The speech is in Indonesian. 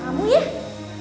tunggu sekejap ya